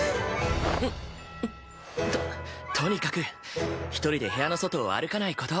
んっ！ととにかく一人で部屋の外を歩かないこと。